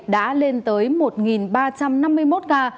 đã lên tới một ba trăm năm mươi một ca